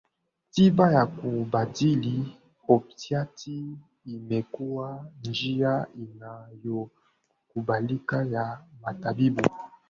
Tiba ya kubadili opiati imekuwa njia inayokubalika ya matibabu